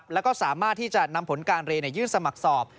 แล้วก็สามารถที่จะนำผลการเรียนยื่นสมัครสอบ